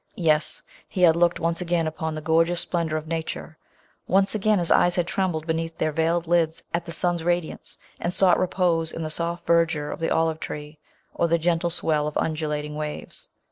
Yes! he had looked once again upon the gor geous splendour of nature ! Once again his eyes had trembled beneath their veiled lids, at the sun's radiance, and sought repose in the soft verdure of the olive tree, or the gentle swell of undulating waves.